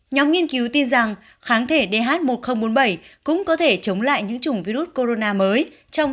nhóm nghiên cứu tin rằng kháng thể dh một nghìn bốn mươi bảy cũng có thể chống lại những chủng virus corona mới